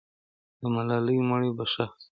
د ملالۍ مړی به ښخ سي.